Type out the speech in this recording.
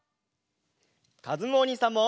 かずむおにいさんも！